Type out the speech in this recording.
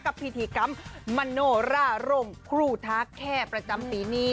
พิธีกรรมมโนร่าร่มครูท้าแค่ประจำปีนี้